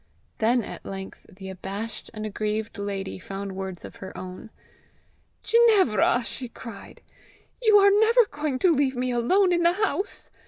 Then at length the abashed and aggrieved lady found words of her own. "Ginevra!" she cried, "you are never going to leave me alone in the house!